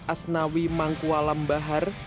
asnawi mangkualam bahar